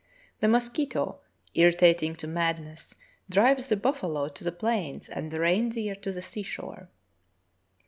The mosquito, irritating to madness, drives the buffalo to the plains and the reindeer to the sea shore.